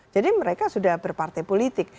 jadi mereka sudah berpartai politik